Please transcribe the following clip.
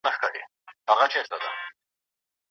ما ته په دې اړه بشپړ معلومات راکړل شول.